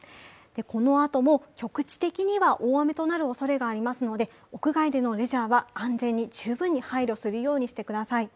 このあとも局地的には大雨となるおそれがありますので、屋外でのレジャーは安全に十分に配慮するようにしてください。